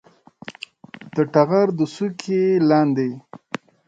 د ټغر د څوکې لاندې